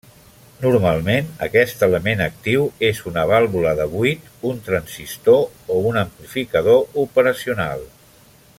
Normalment aquest element actiu és una vàlvula de buit, un transistor o un amplificador operacional.